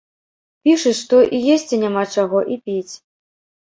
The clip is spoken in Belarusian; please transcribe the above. Пішуць, што і есці няма чаго, і піць.